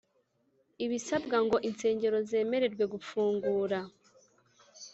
ibisabwa ngo insengero zemererwe gufungura.